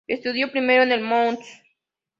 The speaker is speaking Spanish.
Estudió primero en el "Mount St.